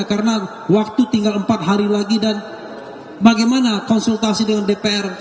karena waktu tinggal empat hari lagi dan bagaimana konsultasi dengan dpr